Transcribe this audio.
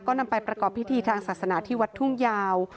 นำไปประกอบพิธีทางศาสนาที่วัดทุ่งยาว